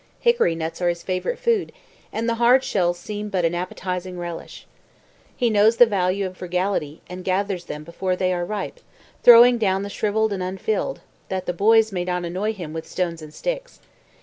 Hickory nuts are his favourite food, and the hard shells seem but an appetizing relish. He knows the value of frugality, and gathers them before they are ripe, throwing down the shrivelled and unfilled, that the boys may not annoy him with stones and sticks.